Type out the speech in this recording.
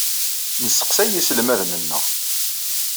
Nesseqsay iselmaden-nneɣ.